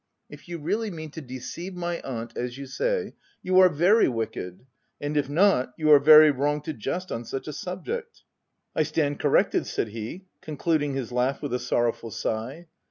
If you really mean to deceive my aunt as you say, you are very wicked ; and if not, you are very wrong to jest on such a subject/' " I stand corrected," said he, concluding his laugh with a sorrowful sigh.